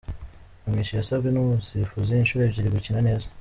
Kamichi yasabwe numusifuzi inshuro ebyiri gukina neza.